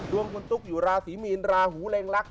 ดวงคุณตุ๊กอยู่ราศีมีนราหูเร็งลักษ